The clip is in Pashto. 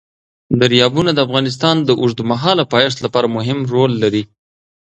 دریابونه د افغانستان د اوږدمهاله پایښت لپاره مهم رول لري.